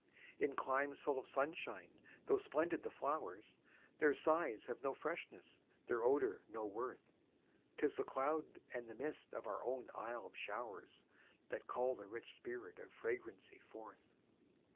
In climes full of sunshine, tho' splendid the flowers, Their sighs have no freshness, their odor no worth; 'Tis the cloud and the mist of our own Isle of showers, That call the rich spirit of fragrancy forth.